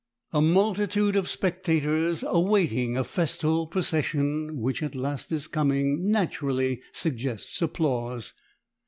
A multitude of spectators awaiting a festal procession, which at last is coming, naturally suggests applause.